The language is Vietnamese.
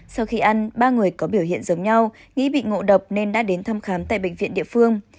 sau khi ăn ba người có biểu hiện giống nhau nghĩ bị ngộ độc nên đã đến thăm khám tại bệnh viện địa phương